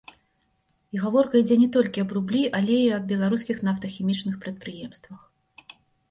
І гаворка ідзе не толькі аб рублі, але і аб беларускіх нафтахімічных прадпрыемствах.